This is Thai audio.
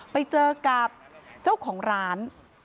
ไปเจอกับเจ้าของร้าน